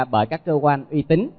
bởi các cơ quan uy tín